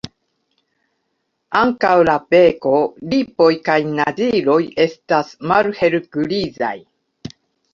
Ankaŭ la beko, lipoj kaj naĝiloj estas malhelgrizaj.